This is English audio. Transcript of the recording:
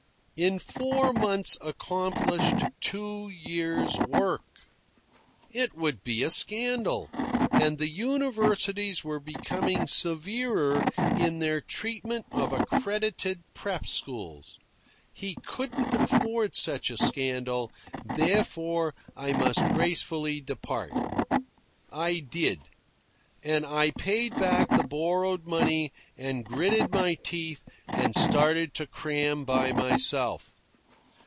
In four months accomplished two years' work! It would be a scandal, and the universities were becoming severer in their treatment of accredited prep schools. He couldn't afford such a scandal, therefore I must gracefully depart. I did. And I paid back the borrowed money, and gritted my teeth, and started to cram by myself.